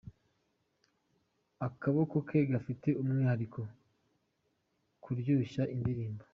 Akaboko ke gafite umwihariko mu kuryoshya indirimbo….